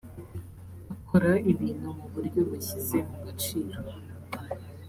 akora ibintu mu buryo bushyize mu gaciro